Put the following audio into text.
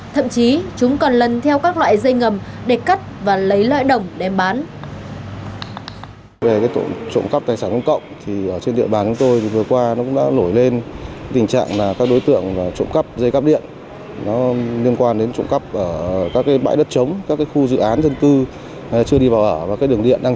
thậm chí chúng còn lần theo các loại dây ngầm để cắt và lấy loại đồng để bán